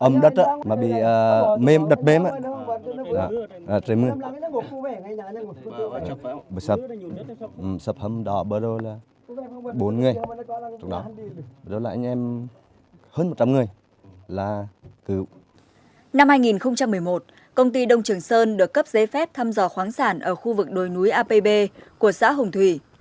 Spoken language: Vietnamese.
năm hai nghìn một mươi một công ty đông trường sơn được cấp giấy phép thăm dò khoáng sản ở khu vực đồi núi apb của xã hồng thủy